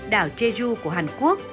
đảo jeju của hàn quốc